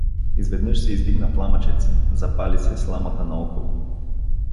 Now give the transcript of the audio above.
Изведнаж се издигна пламъчец — запали се сламата наоколо.